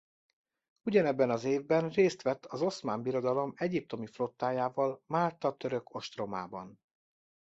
Ugyanebben az évben részt vett az Oszmán Birodalom egyiptomi flottájával Málta török ostromában.